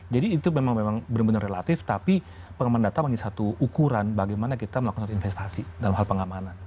itu memang benar benar relatif tapi pengaman data menjadi satu ukuran bagaimana kita melakukan investasi dalam hal pengamanan